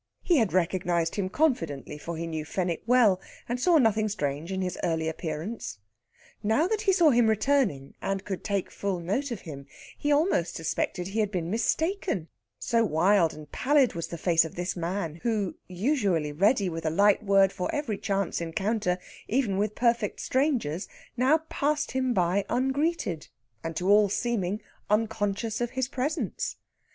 He had recognised him confidently, for he knew Fenwick well, and saw nothing strange in his early appearance. Now that he saw him returning, and could take full note of him, he almost suspected he had been mistaken, so wild and pallid was the face of this man, who, usually ready with a light word for every chance encounter even with perfect strangers now passed him by ungreeted, and to all seeming unconscious of his presence.